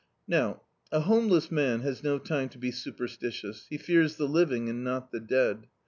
Now, a homeless man has no time to be superstitious, he fears the living and not the dead.